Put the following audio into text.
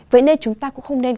vậy nên chúng ta cũng không nên